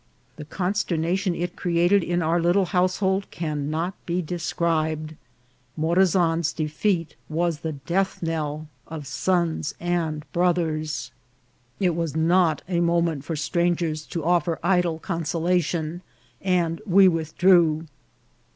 The consternation it created in our little household cannot be described. Morazan's defeat was the death knell of sons and brothers. It 70 INCIDENTS OFTRAVEL. was not a moment for strangers to offer idle consola tion, and we withdrew.